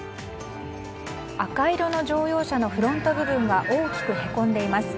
赤色の乗用車のフロント部分は大きくへこんでいます。